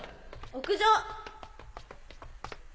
屋上！